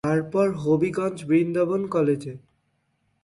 তারপর হবিগঞ্জ বৃন্দাবন কলেজে।